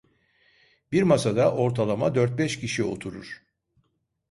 Bir masada ortalama dört beş kişi oturur.